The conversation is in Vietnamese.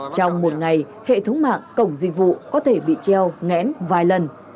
trong một ngày hệ thống mạng cổng dịch vụ có thể bị treo ngẽn vài lần